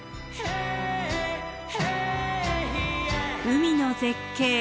海の絶景